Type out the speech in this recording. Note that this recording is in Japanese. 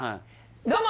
どうも！